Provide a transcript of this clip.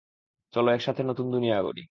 চলো একসাথে নতুন দুনিয়া গড়ি।